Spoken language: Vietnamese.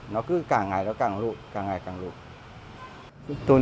nó cứ càng ngày nó càng lụi càng ngày càng lụi